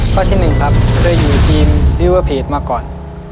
ข้อที่๑ครับเคยอยู่ทีมลิเวอร์เพจมาก่อน